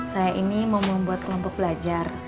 saya ini mau membuat kelompok belajar